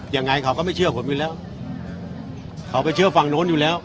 ยังไงเขาก็ไม่เชื่อผมอยู่แล้วเขาไปเชื่อฝั่งโน้นอยู่แล้ว